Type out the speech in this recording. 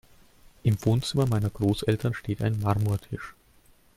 Im Wohnzimmer meiner Großeltern steht ein Marmortisch.